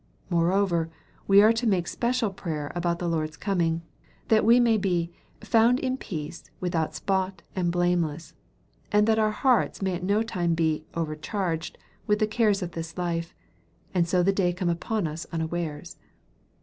More over, we are to make special prayer about the Lord's coming, that we may be "found in peace, without spot and blameless/' and that our hearts may at no time be " overcharged" with the cares of this life, and so the day come upon us unawares.